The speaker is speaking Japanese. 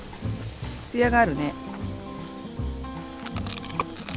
つやがあるね。